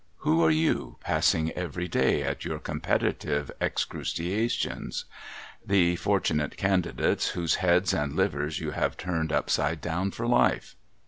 Who are you passing every day at your Comj)etitive Excruciations ? The fortunate candidates whose heads and livers you have turned upside down for life